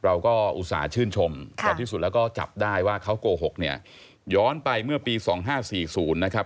อุตส่าห์ชื่นชมแต่ที่สุดแล้วก็จับได้ว่าเขาโกหกเนี่ยย้อนไปเมื่อปี๒๕๔๐นะครับ